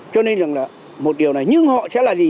cho nên rằng là một điều này nhưng họ sẽ là gì